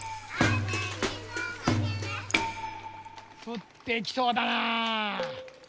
ふってきそうだな。